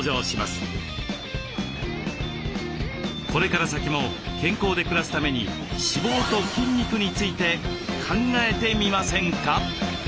これから先も健康で暮らすために脂肪と筋肉について考えてみませんか？